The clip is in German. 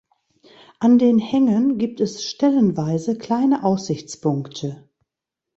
An den Hängen gibt es stellenweise kleine Aussichtspunkte.